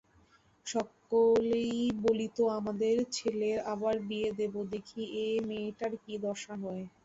সকলেই বলিত–আমাদের ছেলের আবার বিয়ে দেব, দেখি ও মেয়েটার কী দশা হয়।